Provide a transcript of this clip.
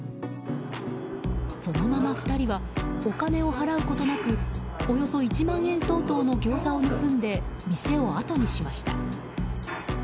そのまま２人はお金を払うことなくおよそ１万円相当のギョーザを盗んで店をあとにしました。